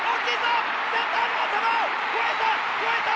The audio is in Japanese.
センターの頭を越えた越えた！